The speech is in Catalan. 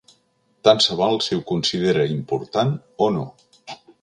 Tant se val si ho considera important o no.